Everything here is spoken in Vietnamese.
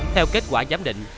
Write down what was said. theo kết quả giám định